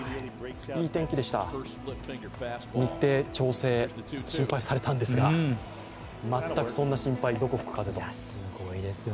いい天気でした、日程調整、心配されたんですが、全くそんな心配、どこ吹く風と。